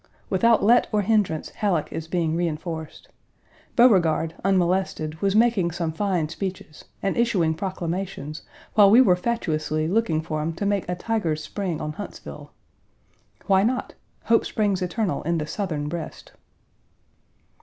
Without let or hindrance Halleck is being reenforced. Beauregard, unmolested, was making some fine speeches and issuing proclamations, while we were fatuously looking for him to make a tiger's spring on Huntsville. Why not? Hope springs eternal in the Southern breast.